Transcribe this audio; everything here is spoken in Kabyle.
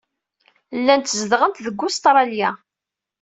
Llant zedɣent deg Ustṛalya.